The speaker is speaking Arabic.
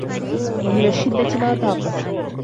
وَمِنْ الشِّدَّةِ مَا طَاقَتْ